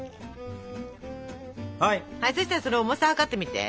そしたらそれ重さ量ってみて。